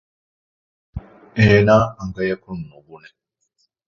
އޭނާ އަނގައަކުން ނުބުނެ